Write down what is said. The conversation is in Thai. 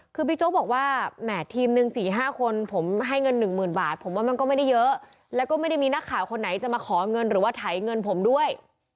คือบิ๊กโจ๊กบอกว่าแหม่ทีมหนึ่ง๔๕คนผมให้เงิน๑๐๐๐บาทผมว่ามันก็ไม่ได้เยอะแล้วก็ไม่ได้มีนักข่าวคนไหนจะมาขอเงินหรือว่าไถเงินผมด้วย